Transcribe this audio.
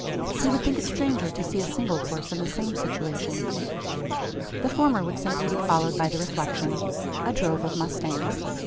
He would think it stranger to see a single horse in the same situation. The former would simply be followed by the reflection: "A drove of mustangs."